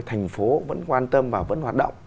thành phố vẫn quan tâm và vẫn hoạt động